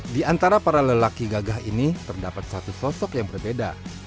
di antara para lelaki gagah ini terdapat satu sosok yang berbeda